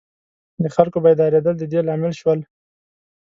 د خلکو بیدارېدل د دې لامل شول.